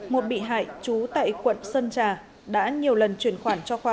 một bị hại trú tại quận sơn trà đã nhiều lần chuyển khoản cho khoa